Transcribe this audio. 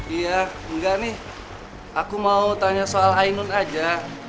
iya enggak nih aku mau tanya soal ainun aja